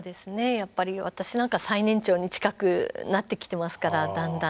やっぱり私なんか最年長に近くなってきてますからだんだん